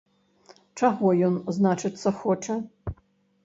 Чаго ён, значыцца, хоча?